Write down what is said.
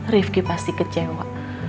rifki pasti kecewa